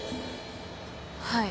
はい。